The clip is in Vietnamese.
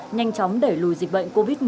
nhanh chóng đẩy lùi dịch bệnh covid một mươi chín